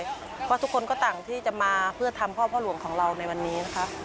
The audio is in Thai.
เพราะทุกคนก็ต่างที่จะมาเพื่อทำพ่อพ่อหลวงของเราในวันนี้นะคะ